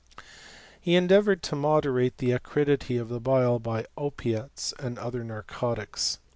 He endeavoured to moderate the acridity of the bila by opiates and other narcotics.